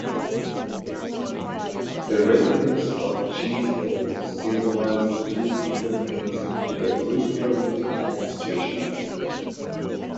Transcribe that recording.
The residents of Gee's Bend symbolized two different things to the Resettlement Administration.